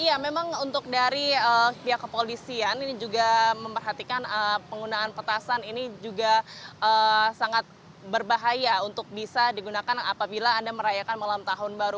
iya memang untuk dari pihak kepolisian ini juga memperhatikan penggunaan petasan ini juga sangat berbahaya untuk bisa digunakan apabila anda merayakan malam tahun baru